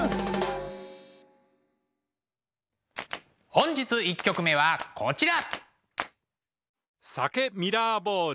本日１曲目はこちら。